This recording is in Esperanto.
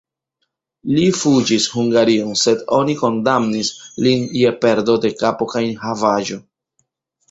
Li fuĝis Hungarion, sed oni kondamnis lin je perdo de kapo kaj havaĵo.